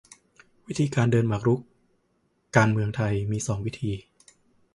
วิธีการเดินหมากรุกการเมืองไทยมีสองวิธี